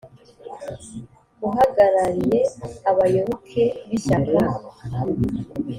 uhagarariye abayoboke b’ishyaka